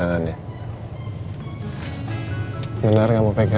atau nyetir aja sana udah nyampe pegang aba